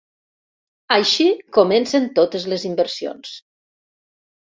Així comencen totes les inversions.